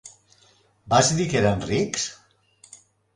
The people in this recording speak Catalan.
Vas dir que eren rics?